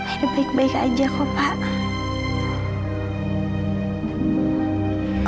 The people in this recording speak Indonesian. ini baik baik aja kok pak